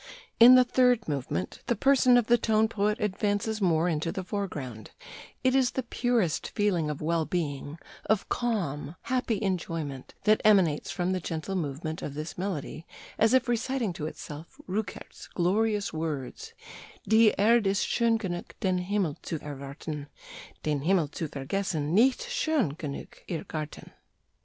"In the [third movement] the person of the tone poet advances more into the foreground: it is the purest feeling of well being, of calm, happy enjoyment, that emanates from the gentle movement of this melody, as if reciting to itself Rückert's glorious words: "'Die Erd' ist schön genug den Himmel zu erwarten, Den Himmel zu vergessen nicht schön genug ihr Garten.'